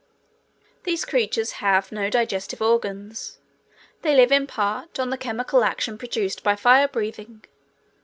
These creatures have no digestive organs. They live, in part, on the chemical action produced by fire breathing.